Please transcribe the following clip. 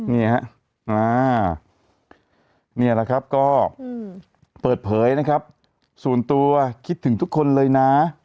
นี่แหละครับก็เปิดเผยส่วนตัวคิดถึงทุกคนเลยนะ